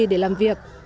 để làm việc